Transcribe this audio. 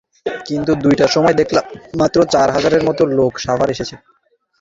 কিন্তু দুইটার সময় দেখলাম, মাত্র চার হাজারের মতো লোক সভায় এসেছে।